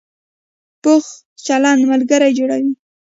پوخ چلند ملګري جوړوي